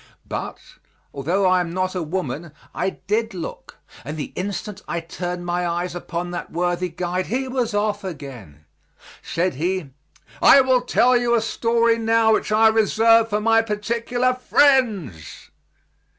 But, although I am not a woman, I did look, and the instant I turned my eyes upon that worthy guide he was off again. Said he, "I will tell you a story now which reserve for my particular friends!"